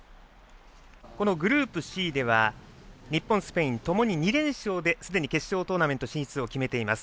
このグループＣでは日本、スペインともに２連勝ですでに決勝トーナメント進出を決めています。